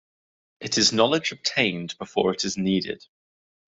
It is knowledge obtained before it is needed.